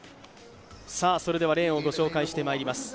それではレーンをご紹介してまいります。